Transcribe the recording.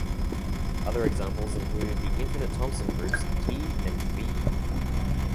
Other examples include the infinite Thompson groups "T" and "V".